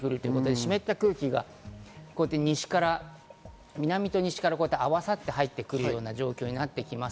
湿った空気が南と西から合わさって入ってくる状況になってきます。